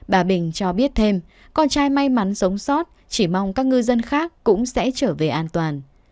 bà bình cho biết thêm con trai may mắn sống sót chỉ mong các ngư dân khác cũng sẽ trở về an toàn